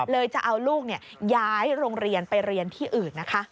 จะเอาลูกย้ายโรงเรียนไปเรียนที่อื่นนะคะ